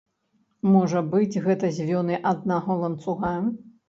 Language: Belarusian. Можа быць, гэта звёны аднаго ланцуга.